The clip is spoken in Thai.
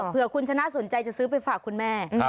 เพื่อคุณชนะสนใจจะซื้อไปฝากคุณแม่